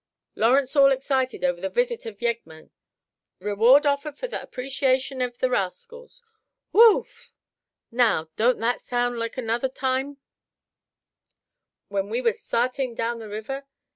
Lawrence all excited over the visit av yeggmen! Reward offered for tha apprehension av the Rascals.' Whoop! now, don't that sound loike another time when we was sthartin' down the river.